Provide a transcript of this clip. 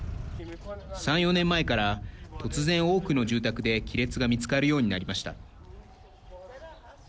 ３、４年前から突然多くの住宅で亀裂が見つかるようになりました。